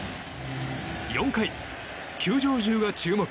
４回、球場中が注目。